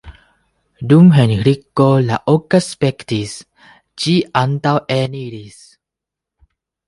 Dum Henriko la oka spektis, ĝi antaŭeniris.